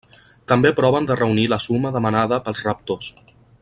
També proven de reunir la suma demanada pels raptors.